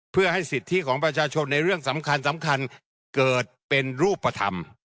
เพื่อให้สิทธิของประชาชนในเรื่องสำคัญสำคัญเกิดเป็นรูปธรรม